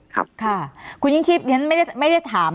ค่ะคุณยิ่งชีพฉันไม่ได้ถาม